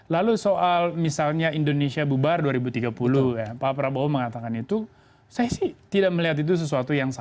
lalu soal misalnya indonesia bubar dua ribu tiga puluh pak prabowo mengatakan itu saya sih tidak melihat itu sesuatu yang salah